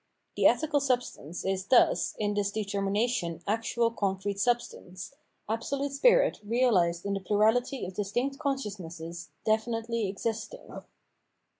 The ethical substance is, thus, in this 440 441 The Ethical Worli determination actual concrete substance, Absolute Spirit realised in tbe plurality of distinct consciousnesses definitely existing.